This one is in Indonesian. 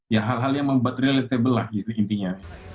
ya hal hal yang membuat relatable lah gitu intinya